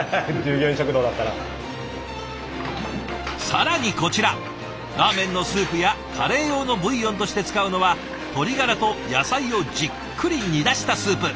更にこちらラーメンのスープやカレー用のブイヨンとして使うのは鶏ガラと野菜をじっくり煮出したスープ。